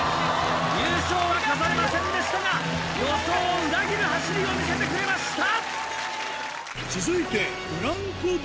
優勝は飾れませんでしたが予想を裏切る走りを見せてくれました！